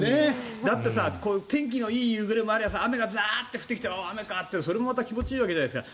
だって天気がいい夕暮れもあって雨がザーッと降ってきて雨かというそれもまた気持ちいいわけじゃないですか。